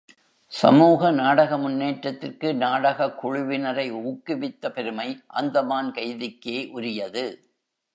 சமூக நாடக முன்னேற்றத்திற்கு நாடகக் குழுவினரை ஊக்குவித்த பெருமை அந்தமான் கைதிக்கே உரியது.